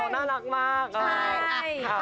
แต่น้องน่ารักมาก